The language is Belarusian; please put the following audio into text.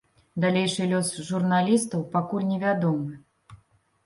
Далейшы лёс журналістаў пакуль невядомы.